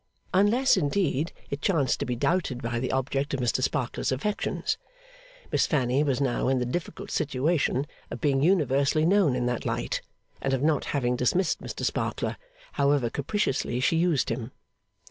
Unless, indeed, it chanced to be doubted by the object of Mr Sparkler's affections. Miss Fanny was now in the difficult situation of being universally known in that light, and of not having dismissed Mr Sparkler, however capriciously she used him.